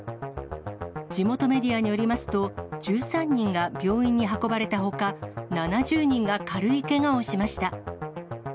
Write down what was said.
地元メディアによりますと、１３人が病院に運ばれたほか、７０人が軽いけがをしました。